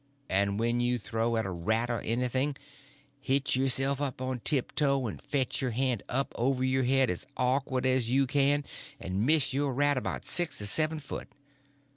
And when you throw at a rat or anything, hitch yourself up a tiptoe and fetch your hand up over your head as awkward as you can, and miss your rat about six or seven foot.